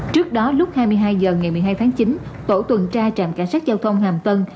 trước đó lúc hai mươi hai h ngày một mươi hai tháng chín tổ tuần tra trạm cảnh sát giao thông hàm tân